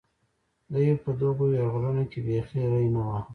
دوی په دغو یرغلونو کې بېخي ري نه واهه.